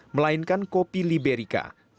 melainkan kopi liberica